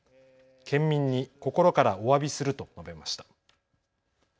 県民に心からおわびすると述べました。